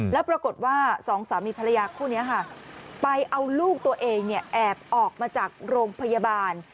แล้วปรากฏว่าสองสามีภรรยาคู่นี้ค่ะไปเอาลูกตัวเองแอบออกมาจากโรงพยาบาล